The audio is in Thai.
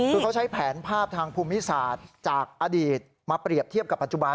คือเขาใช้แผนภาพทางภูมิศาสตร์จากอดีตมาเปรียบเทียบกับปัจจุบัน